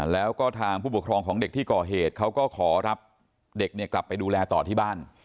แล้วก็ทางผู้ปกครองของเด็กที่ก่อเหตุเขาก็ขอรับเด็กกลับไปดูแลต่อที่บ้าน